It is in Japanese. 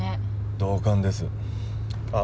同感ですあっ